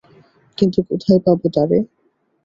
কিন্তু কোথায় পাব তারে?